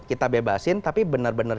kita bebasin tapi benar benar